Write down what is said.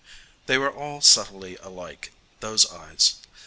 They were all subtly alike, those eyes.